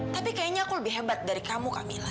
tapi kayaknya aku lebih hebat dari kamu kamila